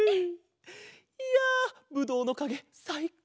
いやぶどうのかげさいこうでしたな！